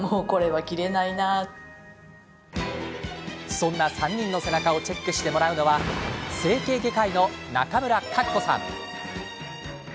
そんな３人の背中をチェックしてもらうのは整形外科医の中村格子さん。